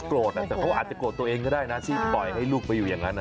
แต่เขาอาจจะโกรธตัวเองก็ได้นะที่ปล่อยให้ลูกไปอยู่อย่างนั้น